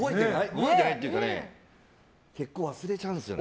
覚えてないというか結構忘れちゃうんですよね。